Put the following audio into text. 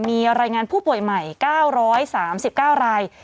มีรายงานผู้ป่วยใหม่๙๓๙ราย